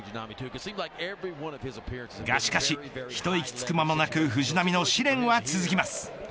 がしかし、一息つく間もなく藤浪の試練は続きます。